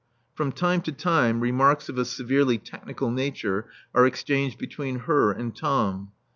From time to time remarks of a severely technical nature are exchanged between her and Tom.